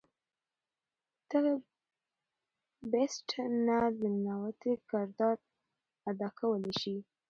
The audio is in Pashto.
د دغه “Beast” نه د ننواتې کردار ادا کولے شي